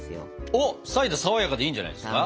おっサイダーさわやかでいいんじゃないですか。